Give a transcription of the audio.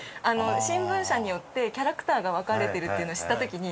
新聞社によってキャラクターが分かれてるっていうのを知った時に。